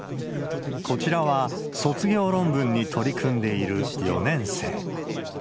こちらは、卒業論文に取り組んでいる４年生。